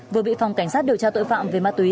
vừa bị phòng cảnh sát điều tra tội phạm về ma túy